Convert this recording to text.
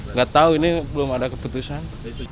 nggak tahu ini belum ada keputusan